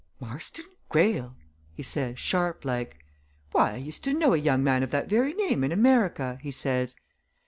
'Marston Greyle!' he says, sharp like. 'Why, I used to know a young man of that very name in America!' he says.